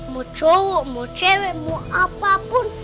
mau cowok mau cewek mau apapun